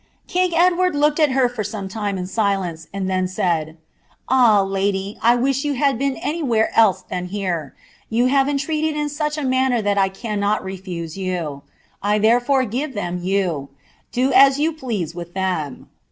" King Edward looked at her for some lime in silence, anil (hen suj, — 'Ah. lady, I wish you had been anywhere else than here; yoo ban entreated in snch a manner that I cannot refuse you. I iberefars (in them you — do as you please with them.'